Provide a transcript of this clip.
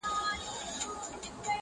یا درویش سي یا سایل سي یاکاروان سي,